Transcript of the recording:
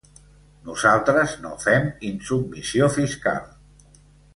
Nosaltres no fem insubmissió fiscal.